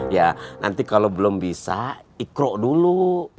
ya nanti kalau belum bisa ikro dulu